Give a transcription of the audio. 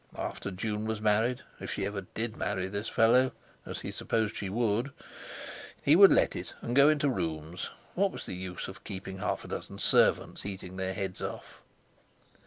After June was married, if she ever did marry this fellow, as he supposed she would, he would let it and go into rooms. What was the use of keeping half a dozen servants eating their heads off?